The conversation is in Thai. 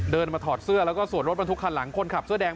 เดินมาถอดเสื้อแล้วก็ส่วนรถบรรทุกคันหลังคนขับเสื้อแดง